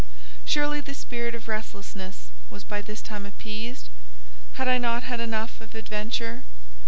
Surely the spirit of restlessness was by this time appeased? Had I not had enough of adventure?